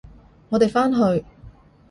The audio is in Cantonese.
我哋返去！